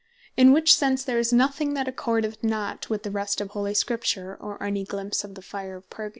In which sense there is nothing that accordeth not with the rest of Holy Scripture, or any glimpse of the fire of Purgatory.